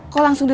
kok langsung dia